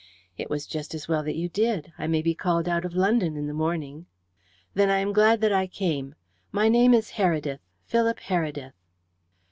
"It was just as well that you did. I may be called out of London in the morning." "Then I am glad that I came. My name is Heredith Philip Heredith."